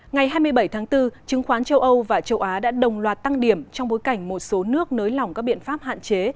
ngày hai mươi bảy tháng bốn chứng khoán châu âu và châu á đã đồng loạt tăng điểm trong bối cảnh một số nước nới lỏng các biện pháp hạn chế